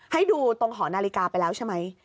ให้ดูตรงหอนาฬิกาไปแล้วใช่ไหม